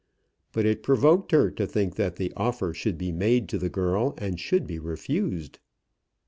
But it provoked her to think that the offer should be made to the girl and should be refused.